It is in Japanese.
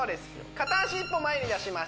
片足一歩前に出します